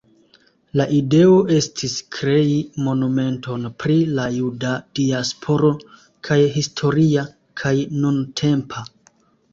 La ideo estis krei monumenton pri la juda diasporo kaj historia kaj nuntempa.